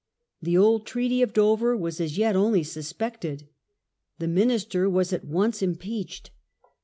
The old Treaty of Dover was as yet only suspected. The minister was at once impeached.